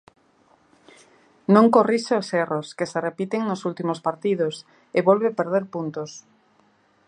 Non corrixe os erros que se repiten nos últimos partidos e volve perder puntos.